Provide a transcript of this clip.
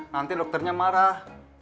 nanti dokternya marah